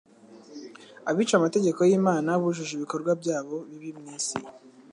Abica amategeko y'Imana bujuje ibikorwa byabo bibi mu isi.